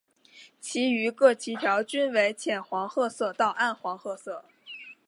其余各鳍条均为浅黄褐色到暗黄褐色。